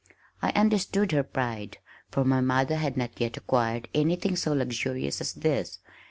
I understood her pride, for my mother had not yet acquired anything so luxurious as this.